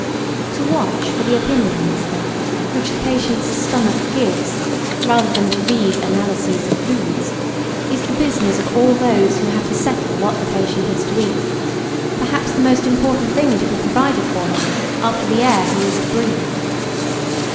] To watch for the opinions, then, which the patient's stomach gives, rather than to read "analyses of foods," is the business of all those who have to settle what the patient is to eat perhaps the most important thing to be provided for him after the air he is to breathe.